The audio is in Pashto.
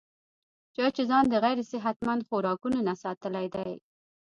چا چې ځان د غېر صحتمند خوراکونو نه ساتلے دے